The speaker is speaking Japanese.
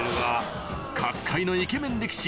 角界のイケメン力士